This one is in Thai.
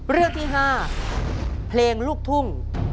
เรื่องที่๕เพลงลูกทุ่ง